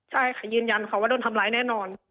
ใช่ค่ะยืนยันค่ะว่าโดนทำร้ายแน่นอน